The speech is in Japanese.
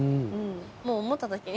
もう思った時に。